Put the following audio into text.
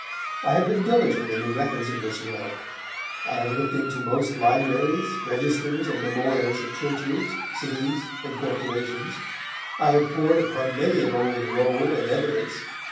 I have been diligent in the records of this realm. I have looked into most libraries, registers and memorials of churches, cities and corporations, I have pored upon many an old roll and evidence